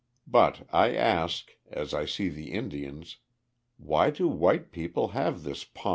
But, I ask, as I see the Indians, _why do white people have this paunch?